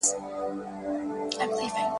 په غومبرو په پرواز به وي منلي